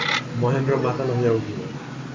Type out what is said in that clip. মহেন্দ্র মাতাল হইয়া উঠিল।